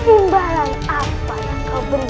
imbaran apa yang kau beri